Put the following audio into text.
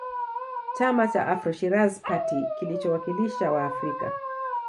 Chama cha AfroShirazi party kilichowakilisha Waafrika